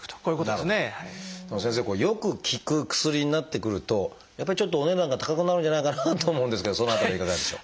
でも先生よく効く薬になってくるとやっぱりちょっとお値段が高くなるんじゃないかなと思うんですけどその辺りいかがでしょう？